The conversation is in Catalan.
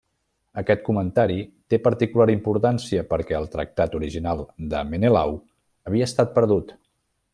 Aquest comentari té particular importància perquè el tractat original de Menelau havia estat perdut.